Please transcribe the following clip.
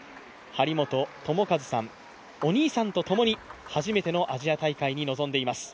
張本智和さん、お兄さんとともに初めてのアジア大会に臨んでいます。